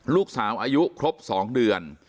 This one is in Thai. ลูกสาวอายุครบ๒เดือน